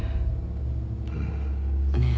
うん。ねえ。